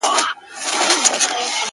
o دا غمى اوس له بــازاره دى لوېـدلى.